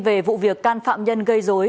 về vụ việc can phạm nhân gây dối